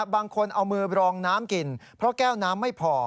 บางคนเอามือรองน้ำกินเพราะแก้วน้ำไม่พอ